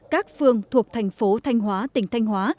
các phương thuộc thành phố thanh hóa tỉnh thanh hóa